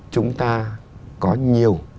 chúng ta có nhiều